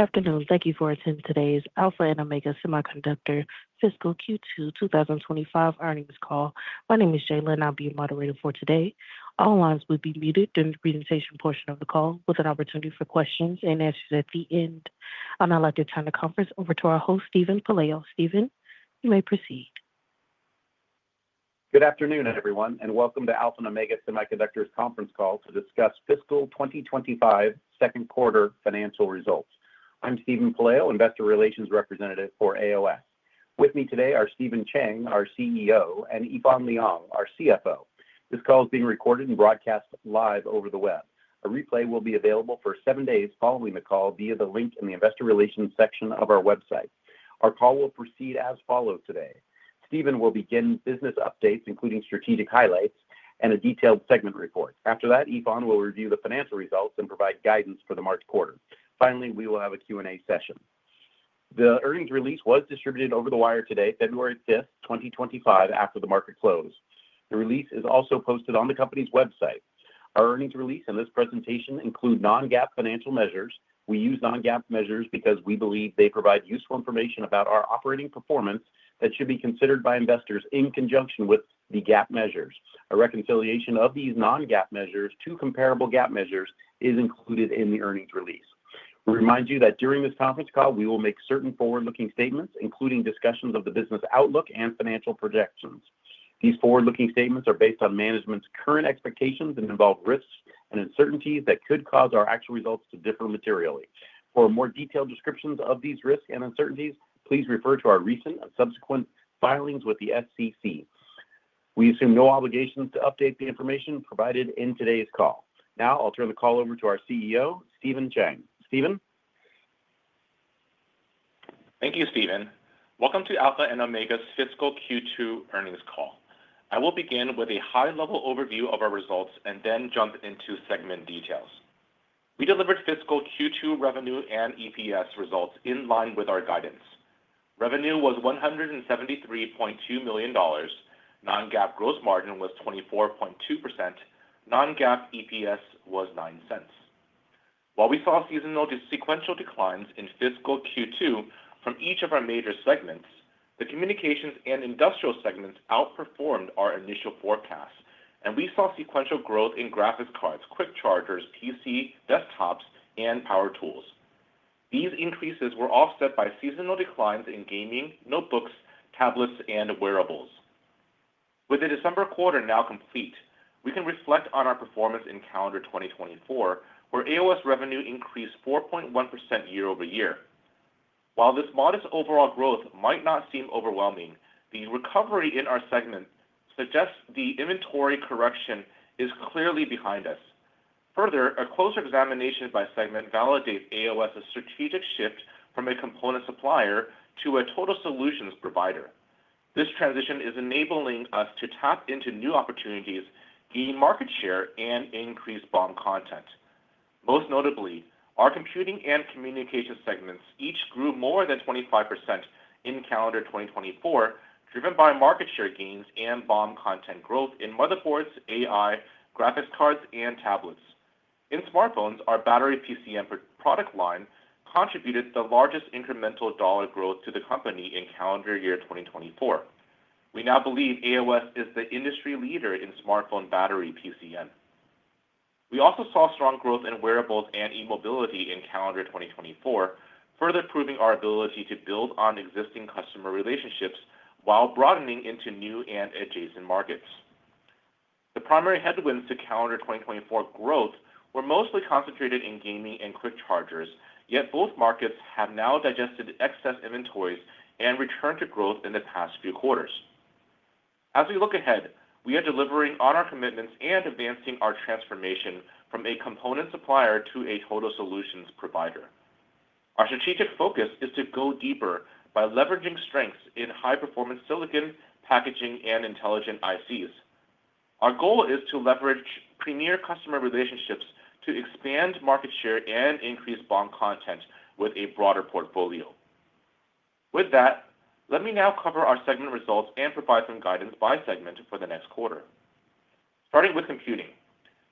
Good afternoon. Thank you for attending today's Alpha and Omega Semiconductor Fiscal Q2 2025 earnings call. My name is Jaylen. I'll be your moderator for today. All lines will be muted during the presentation portion of the call, with an opportunity for questions and answers at the end. I'll now let you turn the conference over to our host, Steven Pelayo. Steven, you may proceed. Good afternoon, everyone, and welcome to Alpha and Omega Semiconductor's conference call to discuss Fiscal 2025 second-quarter financial results. I'm Steven Pelayo, Investor Relations Representative for AOS. With me today are Stephen Chang, our CEO; and Yifan Liang, our CFO. This call is being recorded and broadcast live over the web. A replay will be available for seven days following the call via the link in the Investor Relations section of our website. Our call will proceed as follows. Today, Stephen will begin business updates, including strategic highlights and a detailed segment report. After that, Yifan will review the financial results and provide guidance for the March quarter. Finally, we will have a Q&A session. The earnings release was distributed over the wire today, February 5th, 2025, after the market closed. The release is also posted on the company's website. Our earnings release and this presentation include non-GAAP financial measures. We use non-GAAP measures because we believe they provide useful information about our operating performance that should be considered by investors in conjunction with the GAAP measures. A reconciliation of these non-GAAP measures to comparable GAAP measures is included in the earnings release. We remind you that during this conference call, we will make certain forward-looking statements, including discussions of the business outlook and financial projections. These forward-looking statements are based on management's current expectations and involve risks and uncertainties that could cause our actual results to differ materially. For more detailed descriptions of these risks and uncertainties, please refer to our recent and subsequent filings with the SEC. We assume no obligations to update the information provided in today's call. Now, I'll turn the call over to our CEO, Stephen Chang. Stephen. Thank you, Stephen. Welcome to Alpha and Omega's Fiscal Q2 earnings call. I will begin with a high-level overview of our results and then jump into segment details. We delivered Fiscal Q2 revenue and EPS results in line with our guidance. Revenue was $173.2 million. Non-GAAP gross margin was 24.2%. Non-GAAP EPS was $0.09. While we saw seasonal sequential declines in Fiscal Q2 from each of our major segments, the Communications and Industrial segments outperformed our initial forecast, and we saw sequential growth in graphics cards, quick chargers, PC desktops, and power tools. These increases were offset by seasonal declines in gaming, notebooks, tablets, and wearables. With the December quarter now complete, we can reflect on our performance in calendar 2024, where AOS revenue increased 4.1% year-over-year. While this modest overall growth might not seem overwhelming, the recovery in our segment suggests the inventory correction is clearly behind us. Further, a closer examination by segment validates AOS's strategic shift from a component supplier to a total solutions provider. This transition is enabling us to tap into new opportunities, gain market share, and increase BOM content. Most notably, our Computing and Communications segments each grew more than 25% in calendar 2024, driven by market share gains and BOM content growth in motherboards, AI, graphics cards, and tablets. In smartphones, our battery PCM product line contributed the largest incremental dollar growth to the company in calendar year 2024. We now believe AOS is the industry leader in smartphone battery PCM. We also saw strong growth in wearables and e-mobility in calendar 2024, further proving our ability to build on existing customer relationships while broadening into new and adjacent markets. The primary headwinds to calendar 2024 growth were mostly concentrated in gaming and quick chargers, yet both markets have now digested excess inventories and returned to growth in the past few quarters. As we look ahead, we are delivering on our commitments and advancing our transformation from a component supplier to a total solutions provider. Our strategic focus is to go deeper by leveraging strengths in high-performance silicon packaging and intelligent ICs. Our goal is to leverage premier customer relationships to expand market share and increase BOM content with a broader portfolio. With that, let me now cover our segment results and provide some guidance by segment for the next quarter. Starting with Computing,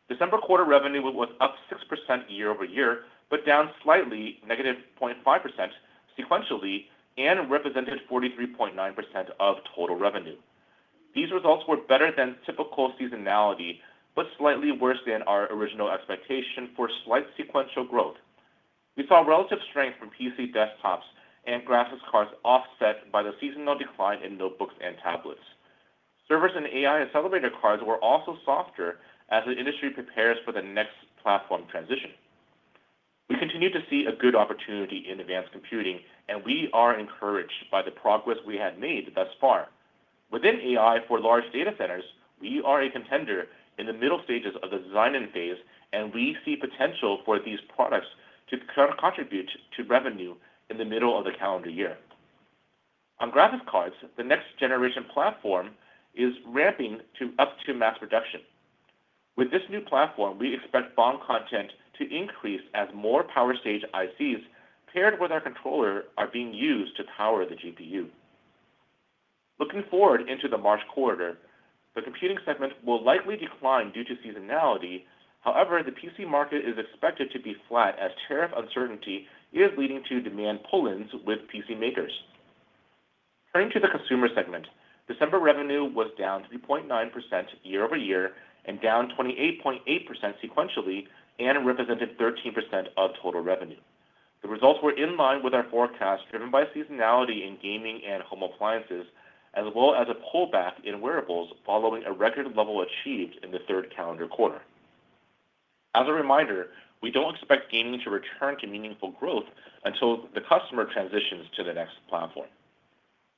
December quarter revenue was up 6% year-over-year, but down slightly, -0.5% sequentially, and represented 43.9% of total revenue. These results were better than typical seasonality, but slightly worse than our original expectation for slight sequential growth. We saw relative strength from PC desktops and graphics cards offset by the seasonal decline in notebooks and tablets. Servers and AI accelerator cards were also softer as the industry prepares for the next platform transition. We continue to see a good opportunity in advanced Computing, and we are encouraged by the progress we have made thus far. Within AI for large data centers, we are a contender in the middle stages of the design-in phase, and we see potential for these products to contribute to revenue in the middle of the calendar year. On graphics cards, the next generation platform is ramping up to mass production. With this new platform, we expect BOM content to increase as more power stage ICs paired with our controller are being used to power the GPU. Looking forward into the March quarter, the Computing segment will likely decline due to seasonality. However, the PC market is expected to be flat as tariff uncertainty is leading to demand pull-ins with PC makers. Turning to the Consumer segment, December revenue was down 3.9% year-over-year and down 28.8% sequentially and represented 13% of total revenue. The results were in line with our forecast, driven by seasonality in gaming and home appliances, as well as a pullback in wearables following a record level achieved in the third calendar quarter. As a reminder, we don't expect gaming to return to meaningful growth until the customer transitions to the next platform.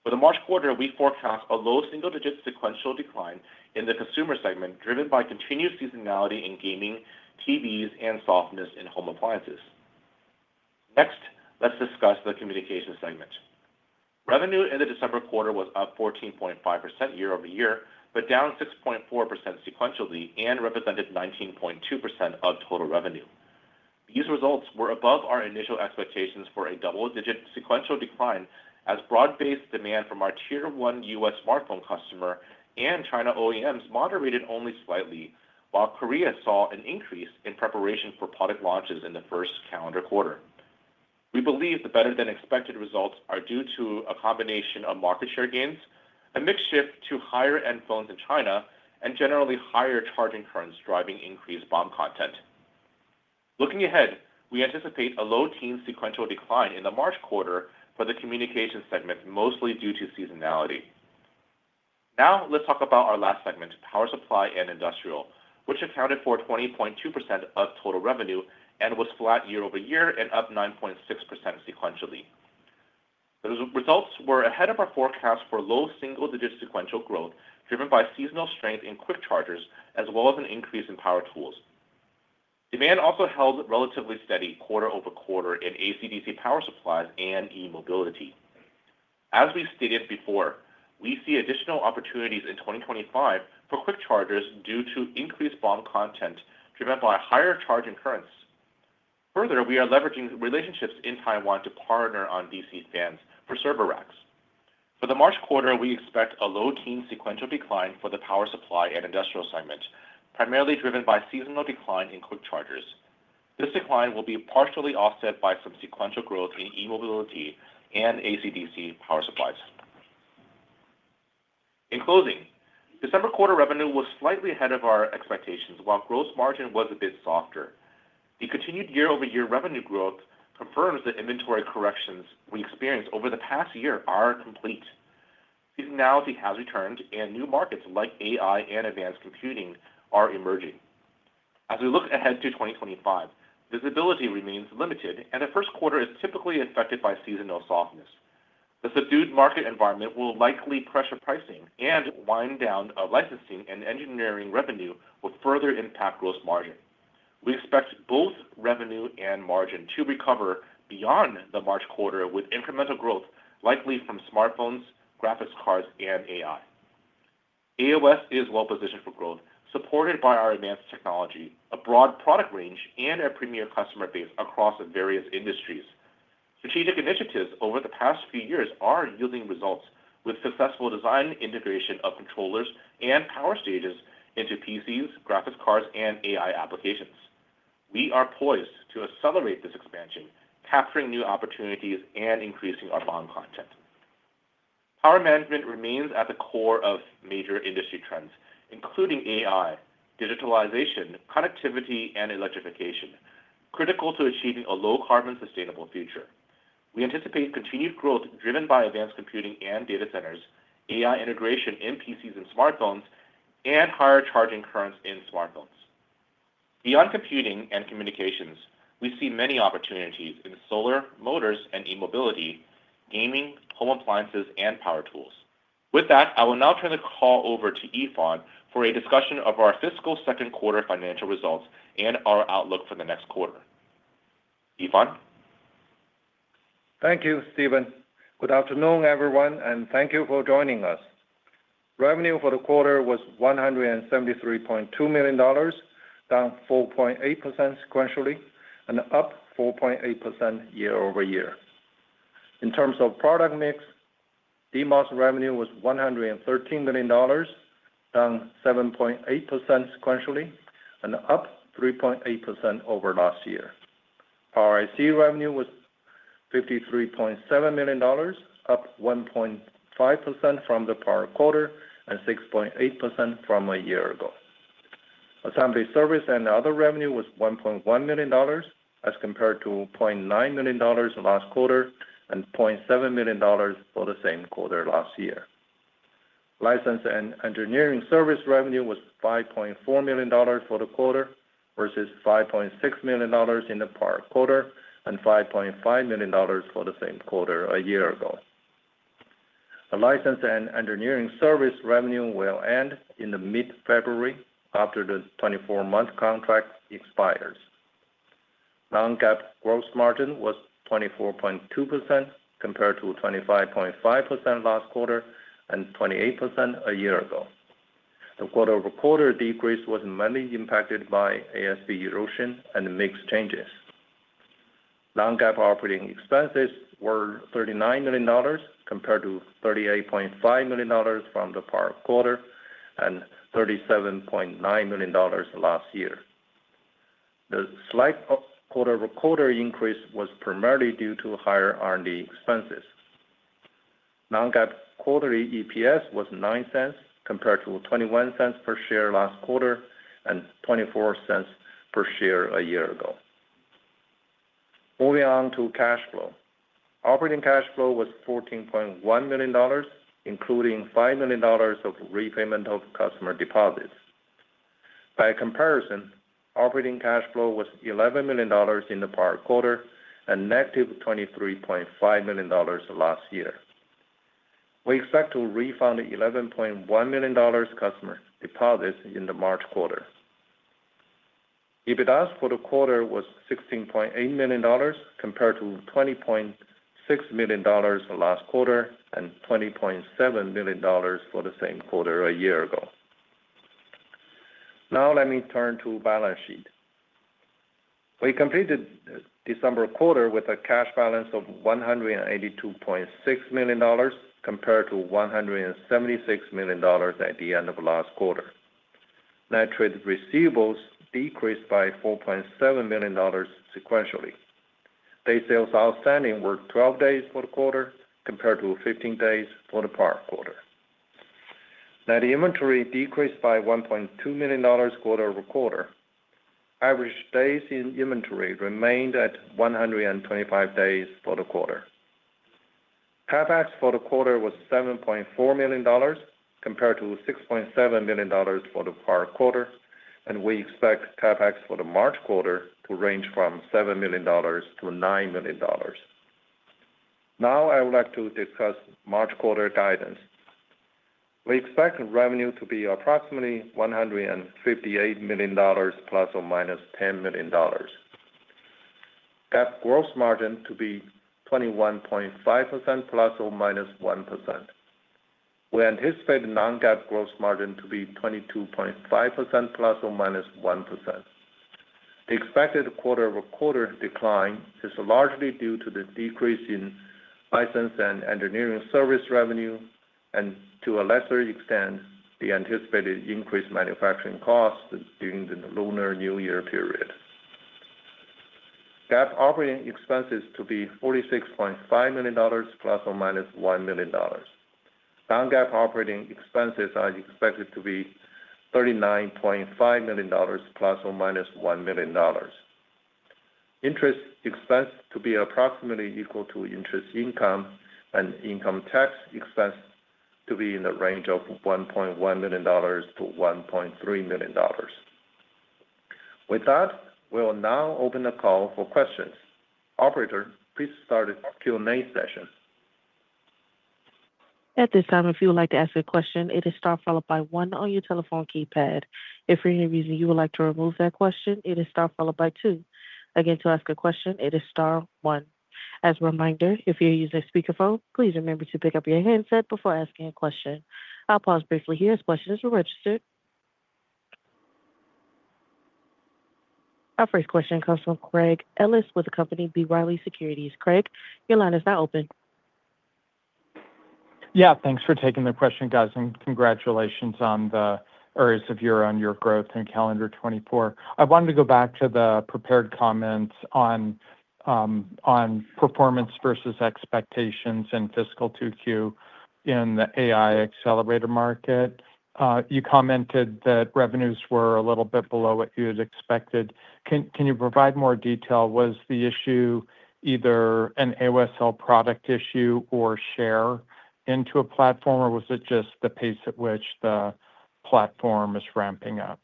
For the March quarter, we forecast a low single-digit sequential decline in the Consumer segment, driven by continued seasonality in gaming, TVs, and softness in home appliances. Next, let's discuss the Communications segment. Revenue in the December quarter was up 14.5% year-over-year, but down 6.4% sequentially and represented 19.2% of total revenue. These results were above our initial expectations for a double-digit sequential decline, as broad-based demand from our Tier 1 U.S. smartphone customer and China OEMs moderated only slightly, while Korea saw an increase in preparation for product launches in the first calendar quarter. We believe the better-than-expected results are due to a combination of market share gains, a mix shift to higher-end phones in China, and generally higher charging currents driving increased BOM content. Looking ahead, we anticipate a low-teens sequential decline in the March quarter for the Communications segment, mostly due to seasonality. Now, let's talk about our last segment, Power Supply and Industrial, which accounted for 20.2% of total revenue and was flat year-over-year and up 9.6% sequentially. The results were ahead of our forecast for low single-digit sequential growth, driven by seasonal strength in quick chargers, as well as an increase in power tools. Demand also held relatively steady quarter over quarter in AC/DC power supplies and e-mobility. As we stated before, we see additional opportunities in 2025 for quick chargers due to increased BOM content driven by higher charging currents. Further, we are leveraging relationships in Taiwan to partner on DC fans for server racks. For the March quarter, we expect a low-teens sequential decline for the Power Supply and Industrial Segment, primarily driven by seasonal decline in quick chargers. This decline will be partially offset by some sequential growth in e-mobility and AC/DC power supplies. In closing, December quarter revenue was slightly ahead of our expectations, while gross margin was a bit softer. The continued year-over-year revenue growth confirms the inventory corrections we experienced over the past year are complete. Seasonality has returned, and new markets like AI and advanced Computing are emerging. As we look ahead to 2025, visibility remains limited, and the first quarter is typically affected by seasonal softness. The subdued market environment will likely pressure pricing, and wind down of licensing and engineering revenue will further impact gross margin. We expect both revenue and margin to recover beyond the March quarter, with incremental growth likely from smartphones, graphics cards, and AI. AOS is well-positioned for growth, supported by our advanced technology, a broad product range, and a premier customer base across various industries. Strategic initiatives over the past few years are yielding results, with successful design integration of controllers and power stages into PCs, graphics cards, and AI applications. We are poised to accelerate this expansion, capturing new opportunities and increasing our BOM content. Power management remains at the core of major industry trends, including AI, digitalization, connectivity, and electrification, critical to achieving a low-carbon sustainable future. We anticipate continued growth driven by advanced Computing and data centers, AI integration in PCs and smartphones, and higher charging currents in smartphones. Beyond Computing and Communications, we see many opportunities in solar, motors, and e-mobility, gaming, home appliances, and power tools. With that, I will now turn the call over to Yifan for a discussion of our Fiscal second quarter financial results and our outlook for the next quarter. Yifan. Thank you, Stephen. Good afternoon, everyone, and thank you for joining us. Revenue for the quarter was $173.2 million, down 4.8% sequentially and up 4.8% year-over-year. In terms of product mix, DMOS revenue was $113 million, down 7.8% sequentially and up 3.8% over last year. Power IC revenue was $53.7 million, up 1.5% from the prior quarter and 6.8% from a year ago. Assembly service and other revenue was $1.1 million as compared to $0.9 million last quarter and $0.7 million for the same quarter last year. License and engineering service revenue was $5.4 million for the quarter versus $5.6 million in the prior quarter and $5.5 million for the same quarter a year ago. License and engineering service revenue will end in mid-February after the 24-month contract expires. Non-GAAP gross margin was 24.2% compared to 25.5% last quarter and 28% a year ago. The quarter-over-quarter decrease was mainly impacted by ASP erosion and mix changes. Non-GAAP operating expenses were $39 million compared to $38.5 million from the prior quarter and $37.9 million last year. The slight quarter-over-quarter increase was primarily due to higher R&D expenses. Non-GAAP quarterly EPS was $0.09 compared to $0.21 per share last quarter and $0.24 per share a year ago. Moving on to cash flow. Operating cash flow was $14.1 million, including $5 million of repayment of customer deposits. By comparison, operating cash flow was $11 million in the prior quarter and negative $23.5 million last year. We expect to refund $11.1 million customer deposits in the March quarter. EBITDA for the quarter was $16.8 million compared to $20.6 million last quarter and $20.7 million for the same quarter a year ago. Now, let me turn to balance sheet. We completed December quarter with a cash balance of $182.6 million compared to $176 million at the end of last quarter. Net trade receivables decreased by $4.7 million sequentially. Days Sales Outstanding were 12 days for the quarter compared to 15 days for the prior quarter. Net inventory decreased by $1.2 million quarter-over-quarter. Average days in inventory remained at 125 days for the quarter. CapEx for the quarter was $7.4 million compared to $6.7 million for the prior quarter, and we expect CapEx for the March quarter to range from $7 million-$9 million. Now, I would like to discuss March quarter guidance. We expect revenue to be approximately $158 million plus or minus $10 million. GAAP gross margin to be 21.5% plus or minus 1%. We anticipate non-GAAP gross margin to be 22.5% plus or minus 1%. The expected quarter-over-quarter decline is largely due to the decrease in license and engineering service revenue, and to a lesser extent, the anticipated increase in manufacturing costs during the Lunar New Year period. GAAP operating expenses to be $46.5 million plus or minus $1 million. Non-GAAP operating expenses are expected to be $39.5 million plus or minus $1 million. Interest expense to be approximately equal to interest income, and income tax expense to be in the range of $1.1 million-$1.3 million. With that, we will now open the call for questions. Operator, please start a Q&A session. At this time, if you would like to ask a question, it is star followed by one on your telephone keypad. If for any reason you would like to remove that question, it is star followed by two. Again, to ask a question, it is star one. As a reminder, if you're using a speakerphone, please remember to pick up your headset before asking a question. I'll pause briefly here as questions are registered. Our first question comes from Craig Ellis with the company B. Riley Securities. Craig, your line is now open. Yeah, thanks for taking the question, guys, and congratulations on the areas of year-on-year growth in calendar 2024. I wanted to go back to the prepared comments on performance versus expectations in fiscal 2Q in the AI accelerator market. You commented that revenues were a little bit below what you had expected. Can you provide more detail? Was the issue either an AOSL product issue or share into a platform, or was it just the pace at which the platform is ramping up?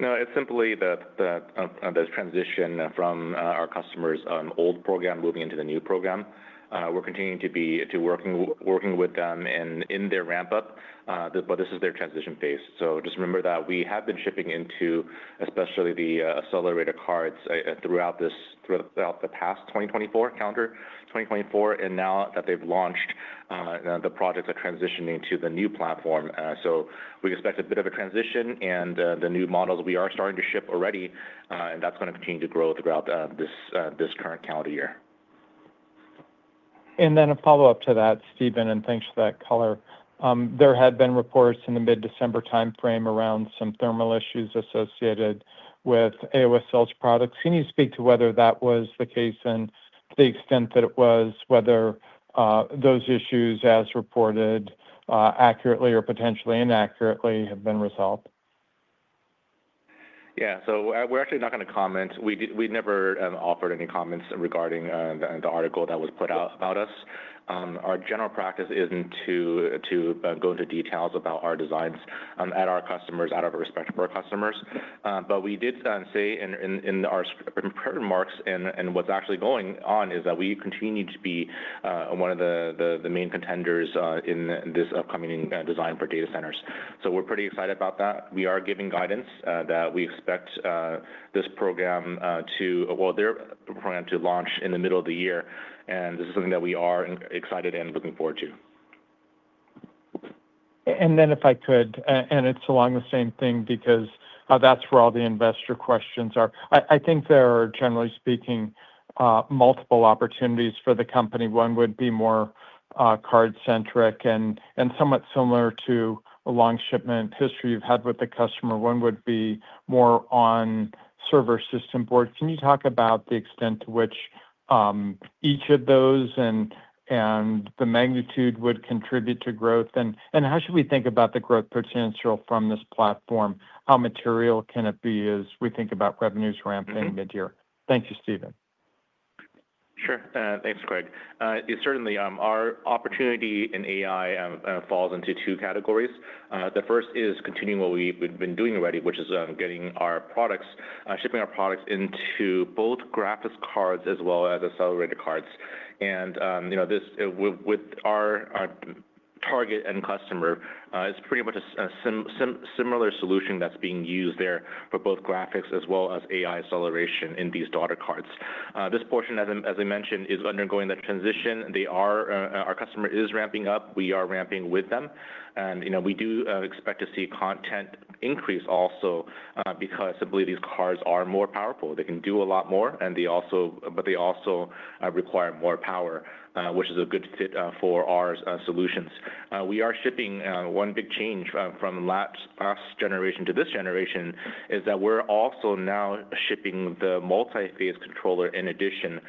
No, it's simply the transition from our customers' old program moving into the new program. We're continuing to be working with them in their ramp-up, but this is their transition phase. So just remember that we have been shipping into, especially the accelerator cards, throughout the past 2024 calendar, 2024, and now that they've launched, the projects are transitioning to the new platform. So we expect a bit of a transition, and the new models we are starting to ship already, and that's going to continue to grow throughout this current calendar year. And then a follow-up to that, Stephen, and thanks for that color. There had been reports in the mid-December timeframe around some thermal issues associated with AOSL's products. Can you speak to whether that was the case and to the extent that it was, whether those issues, as reported, accurately or potentially inaccurately, have been resolved? Yeah, so we're actually not going to comment. We never offered any comments regarding the article that was put out about us. Our general practice isn't to go into details about our designs at our customers out of respect for our customers. But we did say in our remarks and what's actually going on is that we continue to be one of the main contenders in this upcoming design for data centers. So we're pretty excited about that. We are giving guidance that we expect this program to, well, their program to launch in the middle of the year, and this is something that we are excited and looking forward to. If I could, and it's along the same thing because that's where all the investor questions are. I think there are, generally speaking, multiple opportunities for the company. One would be more card-centric and somewhat similar to a long shipment history you've had with the customer. One would be more on server system board. Can you talk about the extent to which each of those and the magnitude would contribute to growth? And how should we think about the growth potential from this platform? How material can it be as we think about revenues ramping mid-year? Thank you, Stephen. Sure. Thanks, Craig. Certainly, our opportunity in AI falls into two categories. The first is continuing what we've been doing already, which is getting our products, shipping our products into both graphics cards as well as accelerator cards. And with our target and customer, it's pretty much a similar solution that's being used there for both graphics as well as AI acceleration in these daughter cards. This portion, as I mentioned, is undergoing the transition. Our customer is ramping up. We are ramping with them. And we do expect to see content increase also because I believe these cards are more powerful. They can do a lot more, but they also require more power, which is a good fit for our solutions. We are shipping. One big change from last generation to this generation is that we're also now shipping the multi-phase controller in addition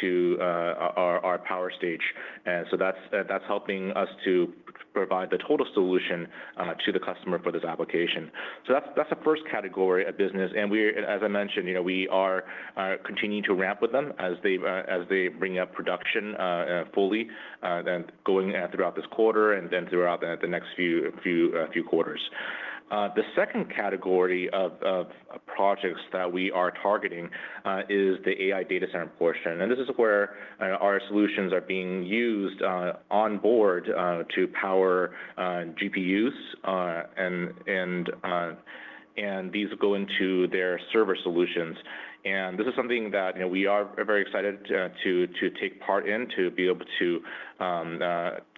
to our power stage. And so that's helping us to provide the total solution to the customer for this application. So that's the first category of business. And as I mentioned, we are continuing to ramp with them as they bring up production fully and going throughout this quarter and then throughout the next few quarters. The second category of projects that we are targeting is the AI data center portion. And this is where our solutions are being used onboard to power GPUs, and these go into their server solutions. And this is something that we are very excited to take part in, to be able to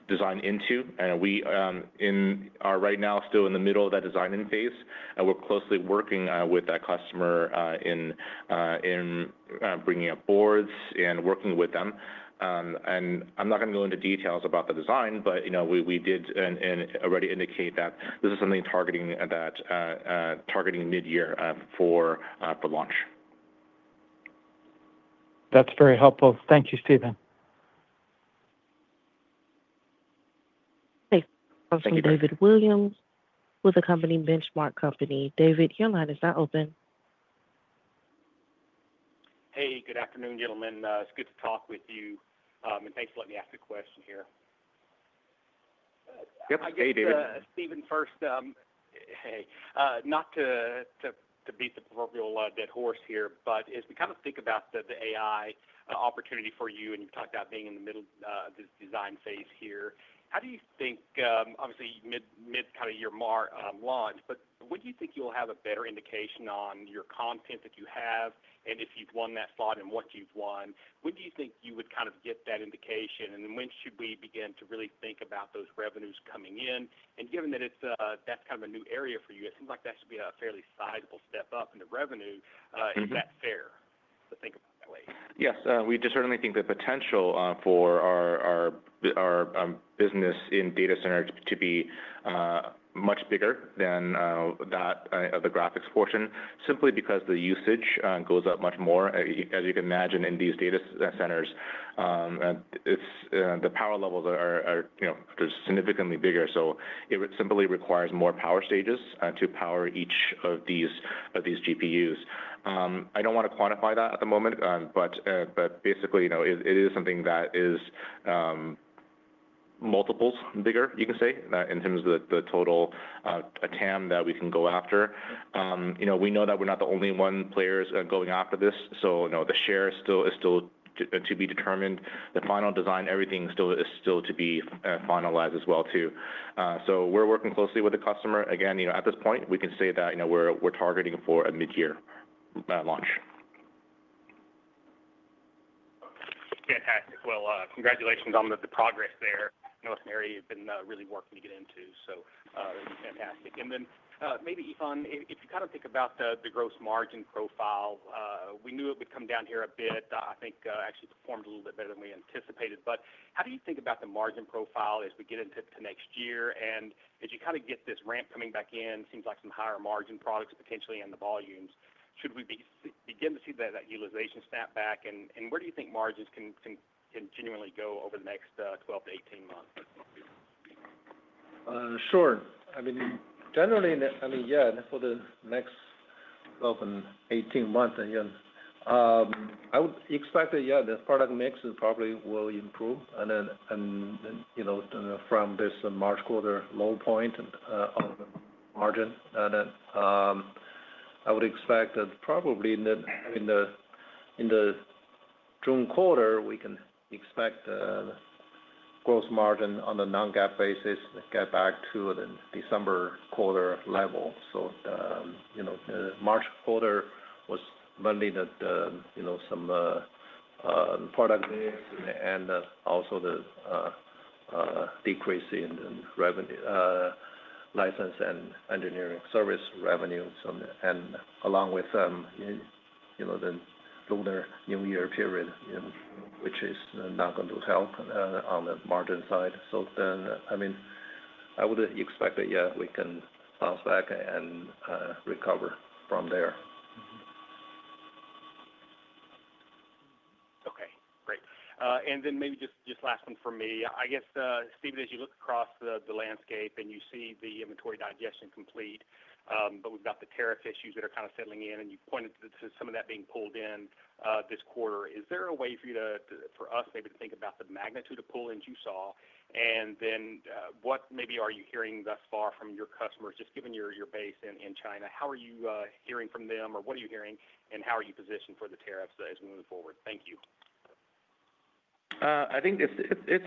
design into. And we are right now still in the middle of that design phase. We're closely working with that customer in bringing up boards and working with them. I'm not going to go into details about the design, but we did already indicate that this is something targeting mid-year for launch. That's very helpful. Thank you, Stephen. Thanks. I'll bring David Williams with the company Benchmark Company. David, your line is now open. Hey, good afternoon, gentlemen. It's good to talk with you, and thanks for letting me ask a question here. Yep. Hey, David. I guess, Stephen, first, hey, not to beat the proverbial dead horse here, but as we kind of think about the AI opportunity for you, and you talked about being in the middle of this design phase here, how do you think, obviously, mid kind of your launch, but when do you think you'll have a better indication on your content that you have and if you've won that slot and what you've won? When do you think you would kind of get that indication? And then when should we begin to really think about those revenues coming in? And given that that's kind of a new area for you, it seems like that should be a fairly sizable step up in the revenue. Is that fair to think about that way? Yes. We certainly think the potential for our business in data center to be much bigger than that of the graphics portion, simply because the usage goes up much more. As you can imagine, in these data centers, the power levels are significantly bigger. So it simply requires more power stages to power each of these GPUs. I don't want to quantify that at the moment, but basically, it is something that is multiples bigger, you can say, in terms of the total attempt that we can go after. We know that we're not the only one players going after this. So the share is still to be determined. The final design, everything is still to be finalized as well, too. So we're working closely with the customer. Again, at this point, we can say that we're targeting for a mid-year launch. Fantastic. Well, congratulations on the progress there. I know it's an area you've been really working to get into, so fantastic. And then maybe, Yifan, if you kind of think about the gross margin profile, we knew it would come down here a bit. I think actually performed a little bit better than we anticipated. But how do you think about the margin profile as we get into next year? And as you kind of get this ramp coming back in, seems like some higher margin products potentially in the volumes. Should we begin to see that utilization snap back? And where do you think margins can genuinely go over the next 12-18 months? Sure. I mean, generally, I mean, yeah, for the next 12 and 18 months, I would expect that, yeah, the product mix probably will improve from this March quarter low point of margin. Then I would expect that probably in the June quarter, we can expect the gross margin on a Non-GAAP basis to get back to the December quarter level. So March quarter was mainly some product mix and also the decrease in license and engineering service revenue, and along with the Lunar New Year period, which is not going to help on the margin side. So then, I mean, I would expect that, yeah, we can bounce back and recover from there. Okay. Great. And then maybe just last one for me. I guess, Stephen, as you look across the landscape and you see the inventory digestion complete, but we've got the tariff issues that are kind of settling in, and you pointed to some of that being pulled in this quarter. Is there a way for us maybe to think about the magnitude of pull-ins you saw? And then what maybe are you hearing thus far from your customers, just given your base in China? How are you hearing from them, or what are you hearing, and how are you positioned for the tariffs as we move forward? Thank you. I think it's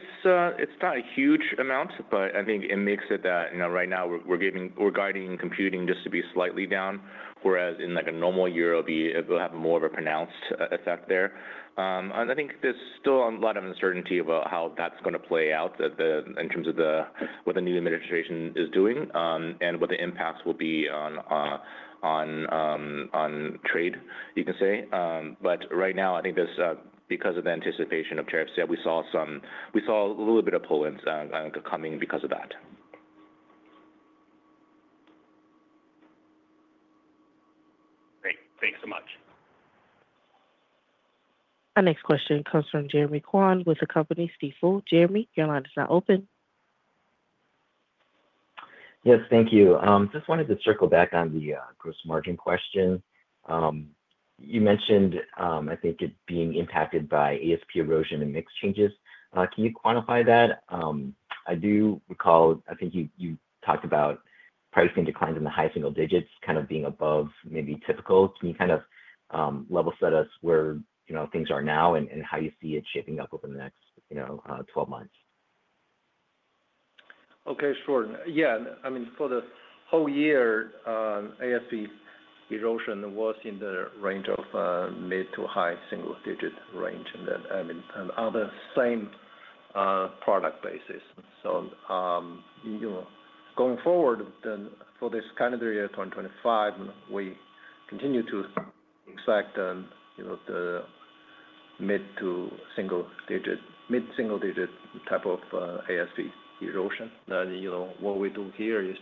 not a huge amount, but I think it makes it that right now we're guiding Computing just to be slightly down, whereas in a normal year, it'll have more of a pronounced effect there, and I think there's still a lot of uncertainty about how that's going to play out in terms of what the new administration is doing and what the impacts will be on trade, you can say, but right now, I think because of the anticipation of tariffs, yeah, we saw a little bit of pull-ins coming because of that. Great. Thanks so much. Our next question comes from Jeremy Kwan with the company Stifel. Jeremy, your line is now open. Yes, thank you. Just wanted to circle back on the gross margin question. You mentioned, I think, it being impacted by ASP erosion and mix changes. Can you quantify that? I do recall, I think you talked about pricing declines in the high single digits kind of being above maybe typical. Can you kind of level set us where things are now and how you see it shaping up over the next 12 months? Okay. Sure. Yeah. I mean, for the whole year, ASP erosion was in the range of mid- to high-single-digit range, and on the same product basis. So going forward, for this calendar year, 2025, we continue to expect the mid- to single-digit type of ASP erosion. And what we do here is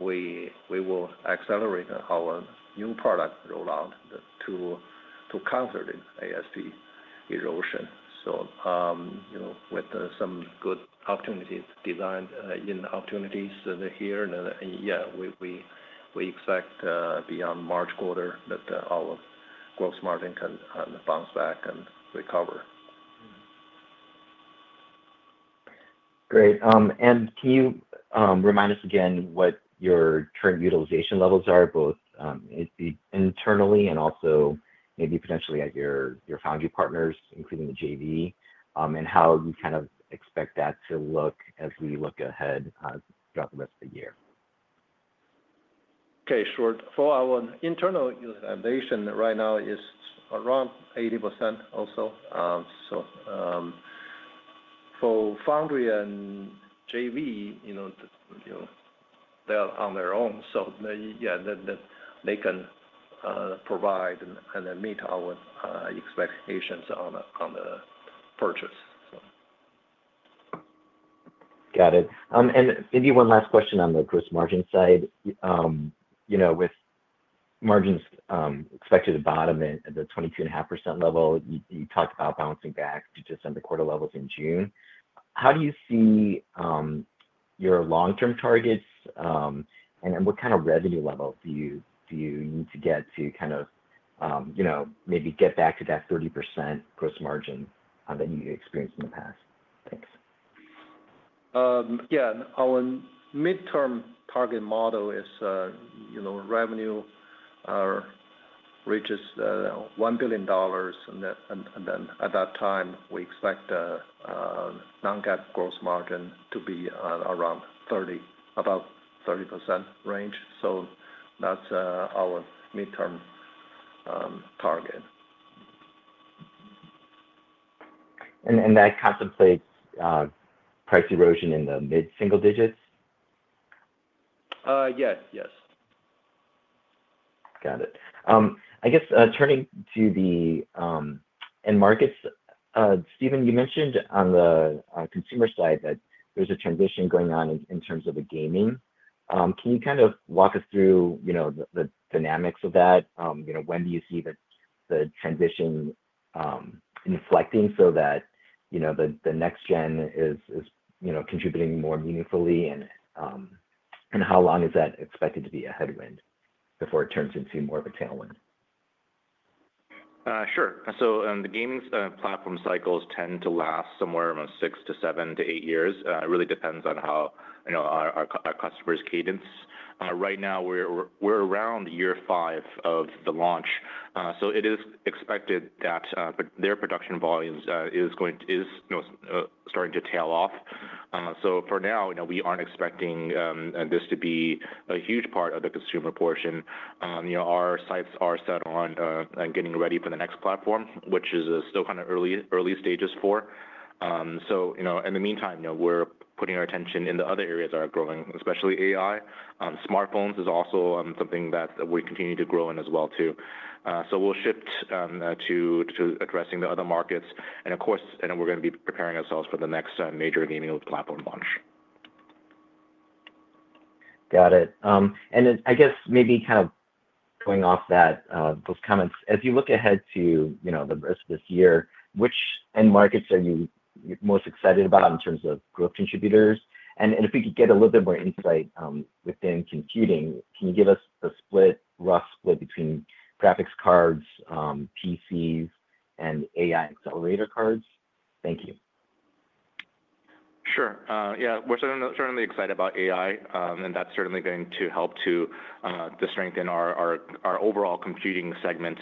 we will accelerate our new product rollout to counter the ASP erosion. So with some good design-in opportunities here, yeah, we expect beyond March quarter that our gross margin can bounce back and recover. Great. And can you remind us again what your current utilization levels are, both internally and also maybe potentially at your foundry partners, including the JV, and how you kind of expect that to look as we look ahead throughout the rest of the year? Okay. Sure. For our internal utilization right now, it's around 80% also. So for foundry and JV, they're on their own. So yeah, they can provide and meet our expectations on the purchase, so. Got it. And maybe one last question on the gross margin side. With margins expected to bottom at the 22.5% level, you talked about bouncing back to December quarter levels in June. How do you see your long-term targets, and what kind of revenue level do you need to get to kind of maybe get back to that 30% gross margin that you experienced in the past? Thanks. Yeah. Our midterm target model is revenue reaches $1 billion, and then at that time, we expect the non-GAAP gross margin to be around 30%, about 30% range. So that's our midterm target. That contemplates price erosion in the mid-single digits? Yes. Yes. Got it. I guess turning to the end markets, Stephen, you mentioned on the Consumer side that there's a transition going on in terms of the gaming. Can you kind of walk us through the dynamics of that? When do you see the transition inflecting so that the next gen is contributing more meaningfully, and how long is that expected to be a headwind before it turns into more of a tailwind? Sure. So the gaming platform cycles tend to last somewhere around six to seven to eight years. It really depends on our customer's cadence. Right now, we're around year five of the launch. So it is expected that their production volumes are starting to tail off. So for now, we aren't expecting this to be a huge part of the Consumer portion. Our sights are set on getting ready for the next platform, which is still kind of early stages for. So in the meantime, we're putting our attention in the other areas that are growing, especially AI. Smartphones is also something that we continue to grow in as well, too. So we'll shift to addressing the other markets. And of course, we're going to be preparing ourselves for the next major gaming platform launch. Got it. And I guess maybe kind of going off those comments, as you look ahead to the rest of this year, which end markets are you most excited about in terms of growth contributors? And if we could get a little bit more insight within Computing, can you give us a rough split between graphics cards, PCs, and AI accelerator cards? Thank you. Sure. Yeah. We're certainly excited about AI, and that's certainly going to help to strengthen our overall Computing segment.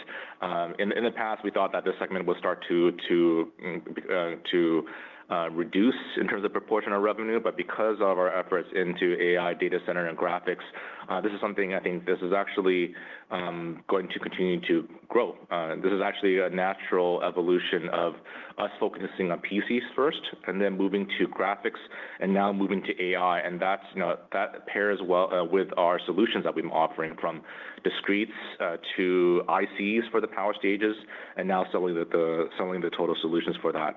In the past, we thought that this segment would start to reduce in terms of proportion of revenue, but because of our efforts into AI data center and graphics, this is something I think, this is actually going to continue to grow. This is actually a natural evolution of us focusing on PCs first and then moving to graphics and now moving to AI, and that pairs well with our solutions that we've been offering from discrete to ICs for the power stages and now selling the total solutions for that.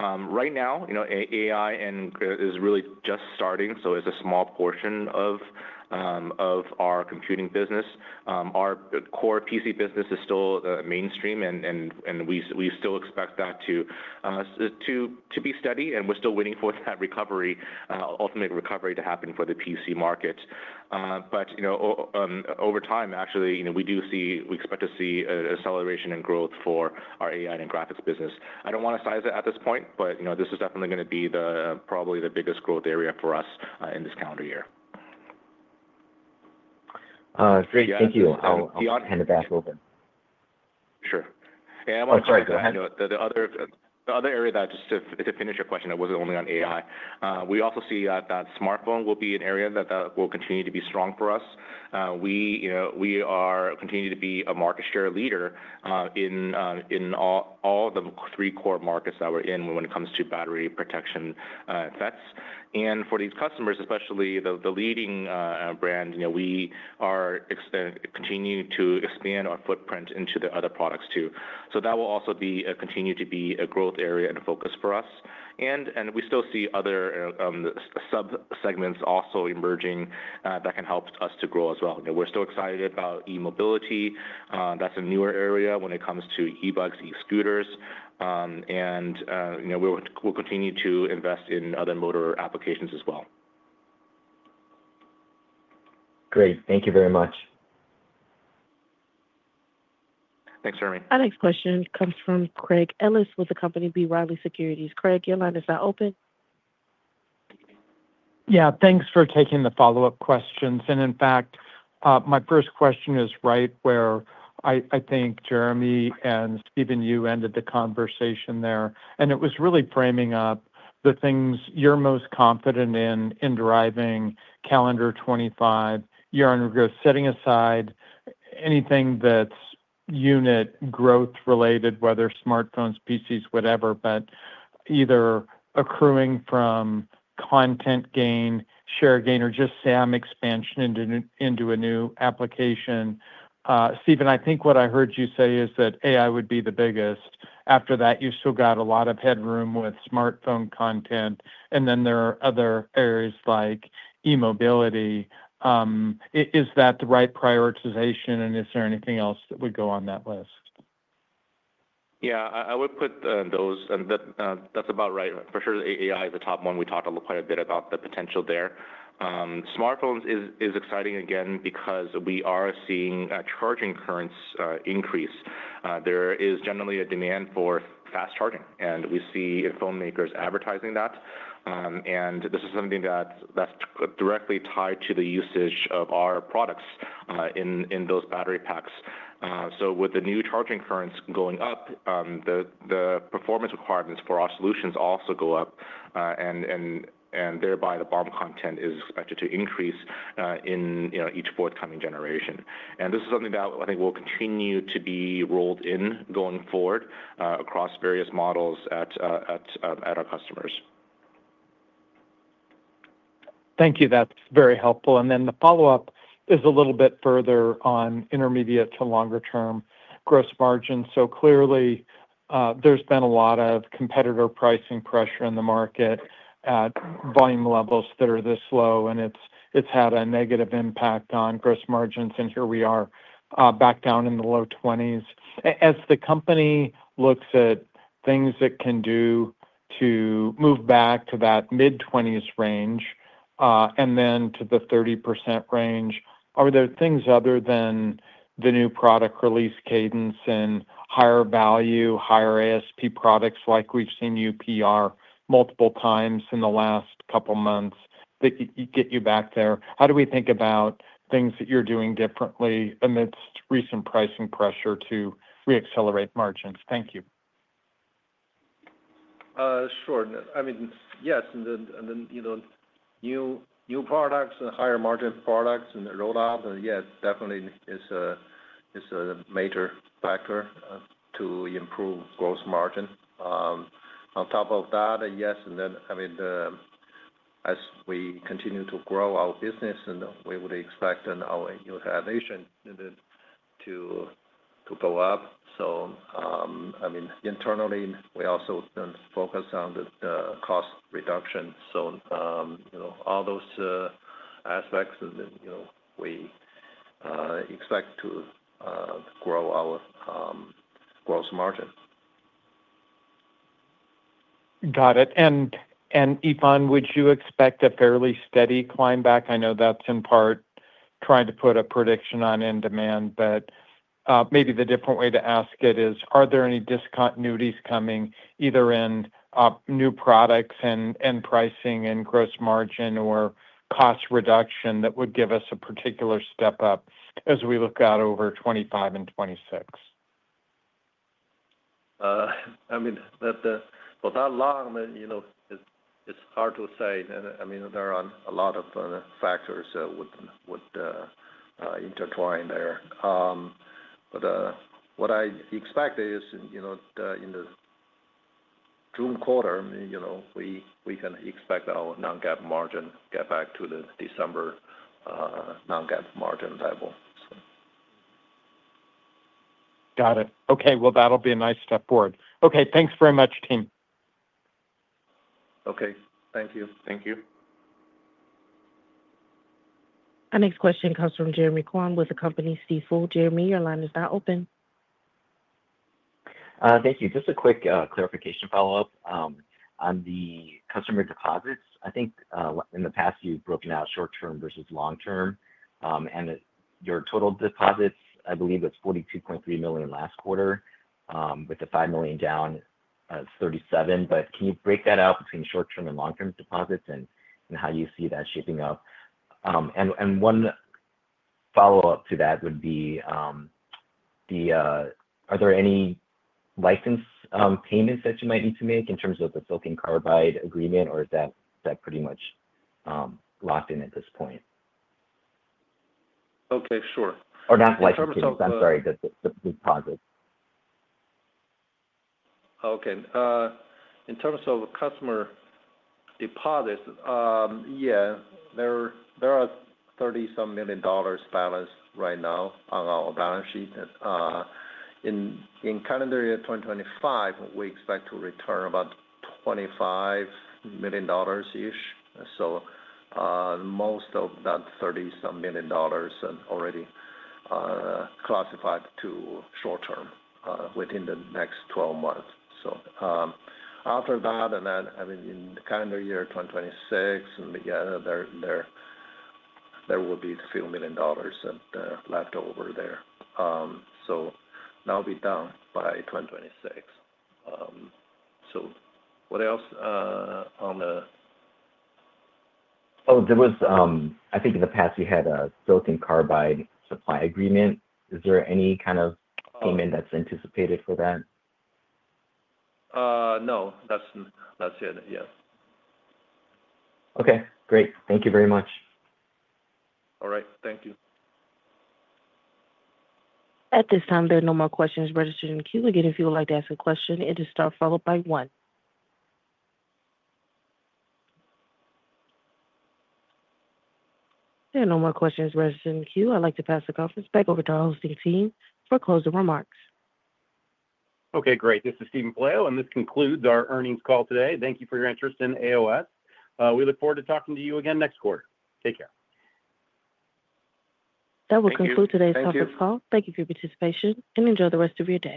Right now, AI is really just starting, so it's a small portion of our Computing business. Our core PC business is still mainstream, and we still expect that to be steady, and we're still waiting for that ultimate recovery to happen for the PC market. But over time, actually, we expect to see acceleration and growth for our AI and graphics business. I don't want to size it at this point, but this is definitely going to be probably the biggest growth area for us in this calendar year. Great. Thank you. I'll hand it back over. Sure. Yeah. I want to. Oh, sorry. Go ahead. The other area that, just to finish your question, it wasn't only on AI. We also see that smartphone will be an area that will continue to be strong for us. We continue to be a market share leader in all the three core markets that we're in when it comes to battery protection packs. And for these customers, especially the leading brand, we are continuing to expand our footprint into the other products too. So that will also continue to be a growth area and a focus for us. And we still see other sub-segments also emerging that can help us to grow as well. We're still excited about e-mobility. That's a newer area when it comes to e-bikes, e-scooters. And we'll continue to invest in other motor applications as well. Great. Thank you very much. Thanks, Jeremy. Our next question comes from Craig Ellis with the company B. Riley Securities. Craig, your line is now open. Yeah. Thanks for taking the follow-up questions. And in fact, my first question is right where I think Jeremy and Steven, you ended the conversation there. And it was really framing up the things you're most confident in in driving calendar 2025. You're going to go setting aside anything that's unit growth related, whether smartphones, PCs, whatever, but either accruing from content gain, share gain, or just SAM expansion into a new application. Stephen, I think what I heard you say is that AI would be the biggest. After that, you've still got a lot of headroom with smartphone content. And then there are other areas like e-mobility. Is that the right prioritization, and is there anything else that would go on that list? Yeah. I would put those. That's about right. For sure, AI is the top one. We talked quite a bit about the potential there. Smartphones is exciting, again, because we are seeing charging currents increase. There is generally a demand for fast charging, and we see phone makers advertising that. And this is something that's directly tied to the usage of our products in those battery packs. So with the new charging currents going up, the performance requirements for our solutions also go up, and thereby the BOM content is expected to increase in each forthcoming generation. And this is something that I think will continue to be rolled in going forward across various models at our customers. Thank you. That's very helpful. The follow-up is a little bit further on intermediate to longer-term gross margins. Clearly, there's been a lot of competitor pricing pressure in the market at volume levels that are this low, and it's had a negative impact on gross margins. Here we are back down in the low 20s. As the company looks at things it can do to move back to that mid-20s range and then to the 30% range, are there things other than the new product release cadence and higher value, higher ASP products like we've seen UPR multiple times in the last couple of months that get you back there? How do we think about things that you're doing differently amidst recent pricing pressure to re-accelerate margins? Thank you. Sure. I mean, yes. And then new products and higher margin products and the roll-out, yes, definitely is a major factor to improve gross margin. On top of that, yes. And then, I mean, as we continue to grow our business, we would expect our utilization to go up. So I mean, internally, we also focus on the cost reduction. So all those aspects, we expect to grow our gross margin. Got it. And Yifan, would you expect a fairly steady climb back? I know that's in part trying to put a prediction on end demand, but maybe the different way to ask it is, are there any discontinuities coming either in new products and pricing and gross margin or cost reduction that would give us a particular step up as we look out over 2025 and 2026? I mean, for that long, it's hard to say. I mean, there are a lot of factors that would intertwine there. But what I expect is in the June quarter, we can expect our non-GAAP margin to get back to the December non-GAAP margin level, so. Got it. Okay. Well, that'll be a nice step forward. Okay. Thanks very much, team. Okay. Thank you. Thank you. Our next question comes from Jeremy Kwan with Stifel. Jeremy, your line is now open. Thank you. Just a quick clarification follow-up on the customer deposits. I think in the past, you've broken out short-term versus long-term. And your total deposits, I believe it's $42.3 million last quarter, with the $5 million down of $37 million. But can you break that out between short-term and long-term deposits and how you see that shaping up? And one follow-up to that would be, are there any license payments that you might need to make in terms of the silicon carbide agreement, or is that pretty much locked in at this point? Okay. Sure. Or not license deposits. I'm sorry. The deposits. Okay. In terms of customer deposits, yeah, there are $30-some million balanced right now on our balance sheet. In calendar year 2025, we expect to return about $25 million-ish. So most of that $30-some million are already classified to short-term within the next 12 months. So after that, and I mean, in calendar year 2026, there will be a few million dollars left over there. So that'll be done by 2026. So what else on the? Oh, there was, I think in the past, you had a silicon carbide supply agreement. Is there any kind of payment that's anticipated for that? No. That's it. Yes. Okay. Great. Thank you very much. All right. Thank you. At this time, there are no more questions registered in queue. Again, if you would like to ask a question, it is star followed by one. There are no more questions registered in queue. I'd like to pass the conference back over to our hosting team for closing remarks. Okay. Great. This is Steven Pelayo, and this concludes our earnings call today. Thank you for your interest in AOS. We look forward to talking to you again next quarter. Take care. Thank you. Thank you. That will conclude today's conference call. Thank you for your participation, and enjoy the rest of your day.